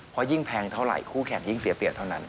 เพราะยิ่งแพงเท่าไหร่คู่แข่งยิ่งเสียเปรียบเท่านั้น